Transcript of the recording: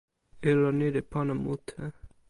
ilo ni li pona mute.